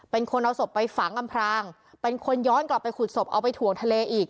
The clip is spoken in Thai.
เป็นคนเอาศพไปฝังอำพรางเป็นคนย้อนกลับไปขุดศพเอาไปถ่วงทะเลอีก